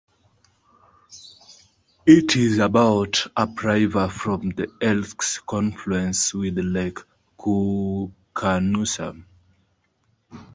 It is about upriver from the Elk's confluence with Lake Koocanusa.